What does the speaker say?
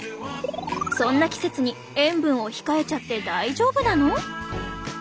そんな季節に塩分を控えちゃって大丈夫なの？